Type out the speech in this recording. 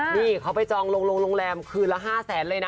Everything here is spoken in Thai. นี่เขาไปจองโรงแรมคืนละ๕แสนเลยนะ